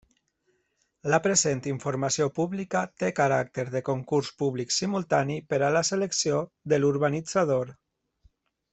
La present informació pública té caràcter de concurs públic simultani per a la selecció de l'urbanitzador.